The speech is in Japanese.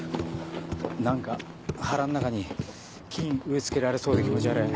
何か腹ん中に菌植え付けられそうで気持ち悪い。